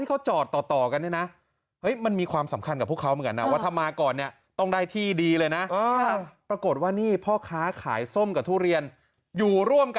โอ้โฮร้อนถึงสบสมุทรปาการเลยนะ